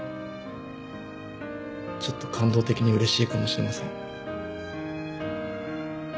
ちょっと感動的にうれしいかもしれません。